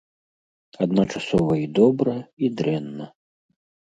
Адначасова і добра, і дрэнна.